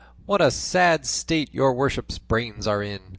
what a sad state your worship's brains are in!"